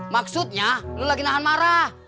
maksudnya lo lagi nahan marah